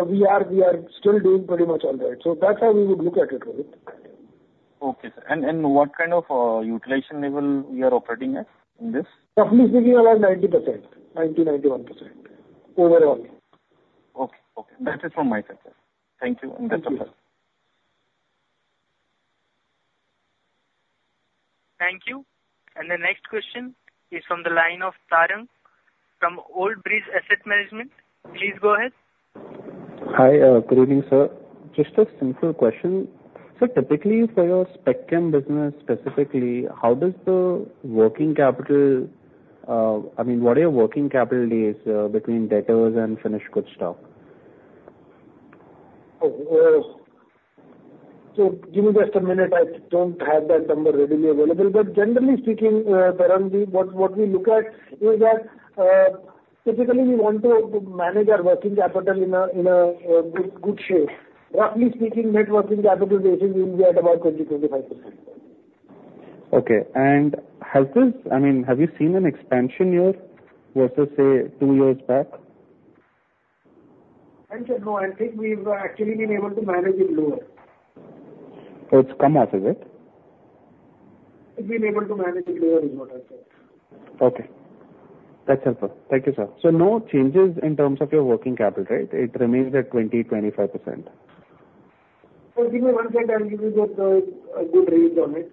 we are still doing pretty much all right. So that's how we would look at it, Rohit. Okay, sir. And what kind of utilization level we are operating at in this? Roughly speaking, around 90%. 90, 91% overall. Okay. Okay, that is from my side, sir. Thank you. That's all. Thank you. The next question is from the line of Tarang from Old Bridge Asset Management. Please go ahead. Hi, good evening, sir. Just a simple question. Typically, for your Spec Chem business specifically, how does the working capital, I mean, what are your working capital days, between debtors and finished goods stock? Oh, so give me just a minute. I don't have that number readily available. But generally speaking, Tarangji, what we look at is that typically we want to manage our working capital in a good shape. Roughly speaking, net working capital days will be at about 20-25%. Okay. Has this... I mean, have you seen an expansion here versus, say, two years back? I said no. I think we've actually been able to manage it lower. So it's come off, is it? We've been able to manage it lower, is what I said. Okay. That's helpful. Thank you, sir. So no changes in terms of your working capital, right? It remains at 20%-25%. So give me one second, I'll give you the, a good read on it.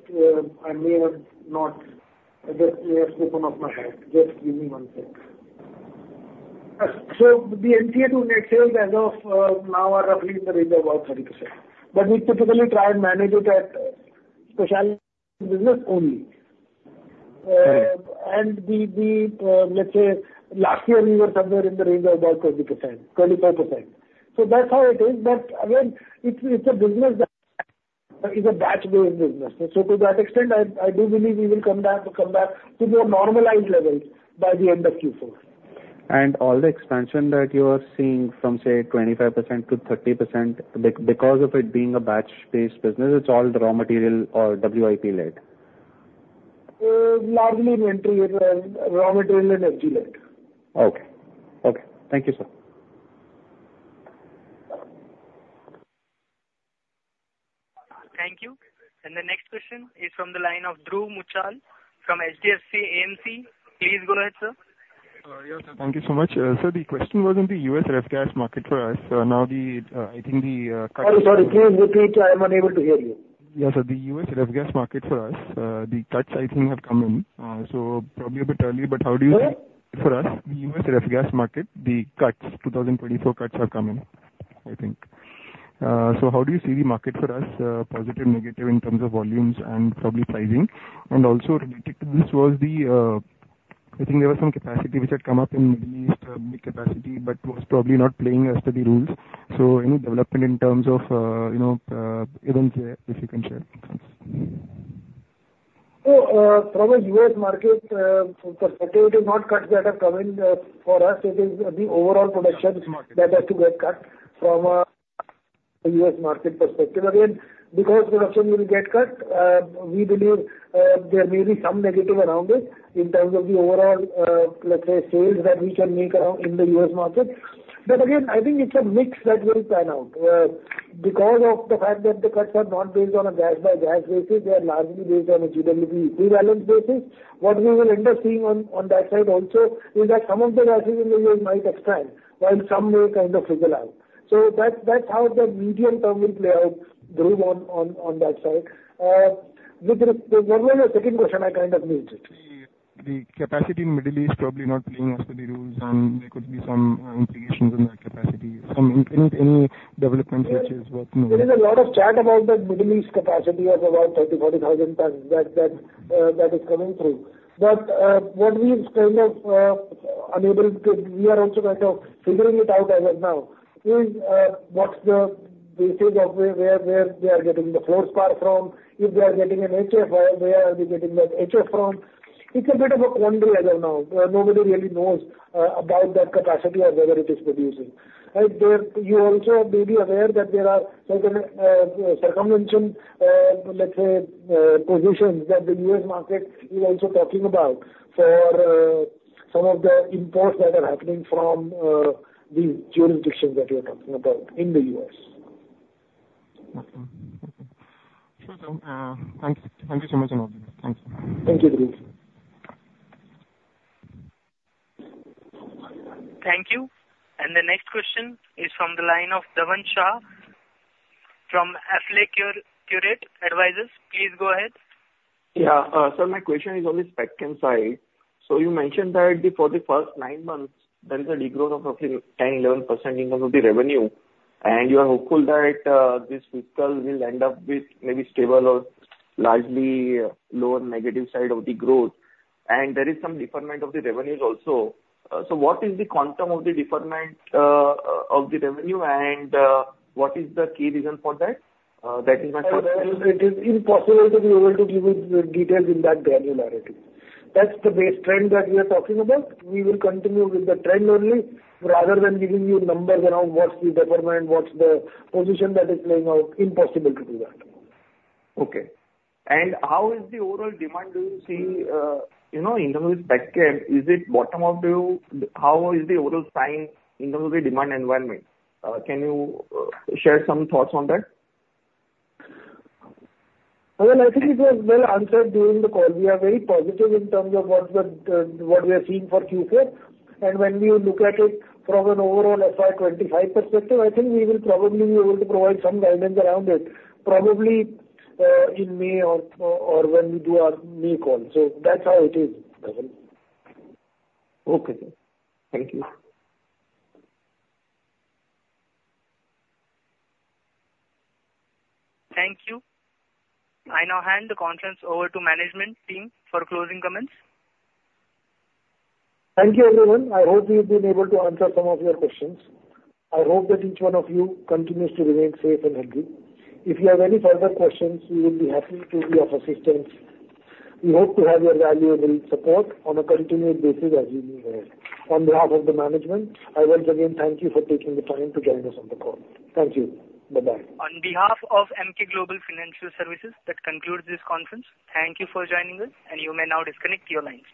I may have not, I just may have spoken off my head. Just give me one second. So the NWC to net sales as of now are roughly in the range of about 30%. But we typically try and manage it at specialty business only.... and the, the, let's say, last year we were somewhere in the range of about 20%-25%. So that's how it is. But again, it's, it's a business that is a batch-based business. So to that extent, I, I do believe we will come back, come back to the normalized levels by the end of Q4. All the expansion that you are seeing from, say, 25%-30%, because of it being a batch-based business, it's all the raw material or WIP led? Largely inventory, raw material, and FG led. Okay. Okay. Thank you, sir. Thank you. The next question is from the line of Dhruv Muchhal from HDFC AMC. Please go ahead, sir. Yes. Thank you so much. Sir, the question was on the US ref gas market for us. I think the- Sorry, sorry. Please repeat, I'm unable to hear you. Yes, sir. The U.S. ref gas market for us, the cuts I think have come in, so probably a bit early, but how do you see- Sorry? For us, the U.S. ref gas market, the cuts, 2024 cuts are coming, I think. So how do you see the market for us, positive, negative in terms of volumes and probably pricing? And also related to this was the, I think there was some capacity which had come up in the Middle East, capacity, but was probably not playing as per the rules. So any development in terms of, you know, events there, if you can share? So, from a U.S. market perspective, it is not cuts that are coming. For us, it is the overall production that has to get cut from a U.S. market perspective. Again, because production will get cut, we believe, there may be some negative around it in terms of the overall, let's say, sales that we can make around in the U.S. market. But again, I think it's a mix that will pan out. Because of the fact that the cuts are not based on a gas-by-gas basis, they are largely based on a GWP rebalance basis. What we will end up seeing on, on that side also is that some of the gases in the U.S. might expand, while some may kind of fizzle out. So that's, that's how the medium term will play out, Dhruv, on, on, on that side. What was your second question? I kind of missed it. The capacity in Middle East probably not playing as per the rules, and there could be some implications on that capacity, some... Any development which is what you know? There is a lot of chat about that Middle East capacity of about 30,000-40,000 tons, that is coming through. But, what we are kind of unable to... We are also kind of figuring it out as of now, is, what's the basis of where, where they are getting the fluorspar from. If they are getting an HFO, where are they getting that HF from? It's a bit of a quandary as of now. Nobody really knows, about that capacity or whether it is producing. And there, you also may be aware that there are certain, circumvention, let's say, positions that the U.S. market is also talking about for, some of the imports that are happening from, the jurisdiction that you are talking about in the U.S. Okay. Sure, sir. Thank you. Thank you so much and all. Thank you. Thank you, Dhruv. Thank you. The next question is from the line of Dhavan Shah from AlfAccurate Advisors. Please go ahead. Yeah. Sir, my question is on the spec side. So you mentioned that for the first nine months, there is a decline of roughly 10%-11% in terms of the revenue, and you are hopeful that this fiscal will end up with maybe stable or largely lower negative side of the growth. And there is some deferment of the revenues also. So what is the quantum of the deferment of the revenue and what is the key reason for that? That is my first question. It is impossible to be able to give you the details in that granularity. That's the base trend that we are talking about. We will continue with the trend only, rather than giving you numbers around what's the deferment, what's the position that is playing out. Impossible to do that. Okay. And how is the overall demand, do you see, you know, in terms of spec cap, is it bottom of the... How is the overall scene in terms of the demand environment? Can you share some thoughts on that? Well, I think it was well answered during the call. We are very positive in terms of what the, what we are seeing for Q4. When you look at it from an overall FY 25 perspective, I think we will probably be able to provide some guidance around it, probably, in May or, or when we do our May call. So that's how it is, Dhavan. Okay. Thank you. Thank you. I now hand the conference over to management team for closing comments. Thank you, everyone. I hope we've been able to answer some of your questions. I hope that each one of you continues to remain safe and healthy. If you have any further questions, we will be happy to be of assistance. We hope to have your valuable support on a continued basis as we move ahead. On behalf of the management, I once again thank you for taking the time to join us on the call. Thank you. Bye-bye. On behalf of Emkay Global Financial Services, that concludes this conference. Thank you for joining us, and you may now disconnect your lines.